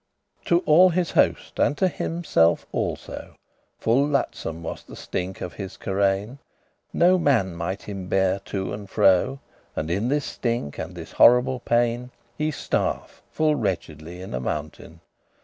To all his host, and to himself also, Full wlatsem* was the stink of his carrain; *loathsome body No manne might him beare to and fro. And in this stink, and this horrible pain, He starf* full wretchedly in a mountain.